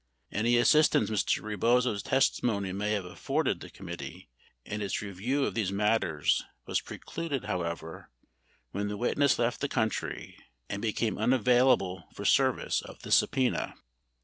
Any assistance Mr. Rebozo's testimony may have afforded the committee in its review of these matters was precluded, however, when the wit ness left the country and became unavailable for service of the subpena.